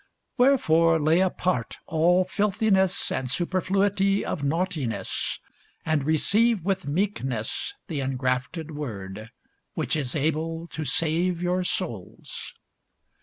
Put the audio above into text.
Wherefore lay apart all filthiness and superfluity of naughtiness, and receive with meekness the engrafted word, which is able to save your souls.